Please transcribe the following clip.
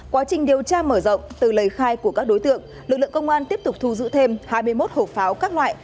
quá trình điều tra mở rộng từ lời khai của các đối tượng lực lượng công an tiếp tục thu giữ thêm hai mươi một hộp pháo các loại